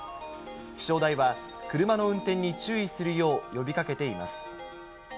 気象台は、車の運転に注意するよう呼びかけています。